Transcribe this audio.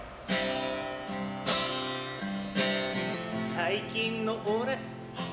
最近の俺。